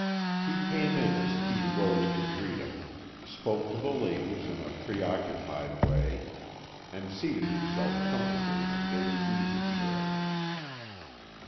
He came in as Kee rose to greet him, spoke to the ladies in a preoccupied way, and seated himself comfortably in a big easy chair.